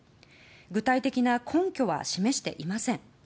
具体的な根拠は示していません。